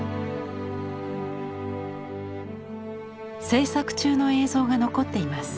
制作中の映像が残っています。